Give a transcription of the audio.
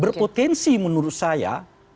berpotensi menurut saya